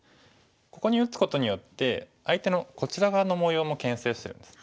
ここに打つことによって相手のこちら側の模様もけん制してるんです。